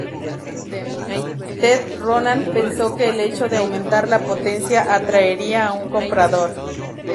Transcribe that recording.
Ted Ronan pensó que el hecho de aumentar la potencia atraería a un comprador.